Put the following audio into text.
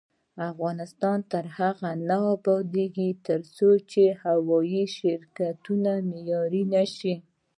افغانستان تر هغو نه ابادیږي، ترڅو هوايي شرکتونه معیاري نشي.